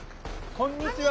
こんにちは！